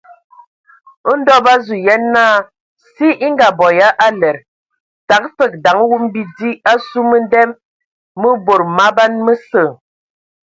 Ndɔ bǝ azu yen naa si e ngaabo ya aled, təgǝ fəg daŋ wum bidi asu mə̀nda mǝ bod maban mǝsə.